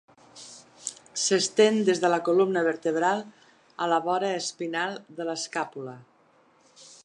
S'estén des de la columna vertebral a la vora espinal de l'escàpula.